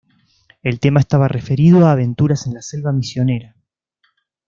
El tema estaba referido a aventuras en la selva misionera.